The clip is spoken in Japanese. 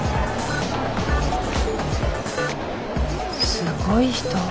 すごい人。